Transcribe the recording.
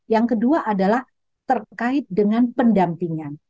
yang kedua adalah terkait dengan pendampingan